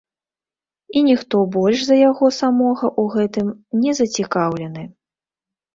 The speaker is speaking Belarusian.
І ніхто больш за яго самога ў гэтым не зацікаўлены.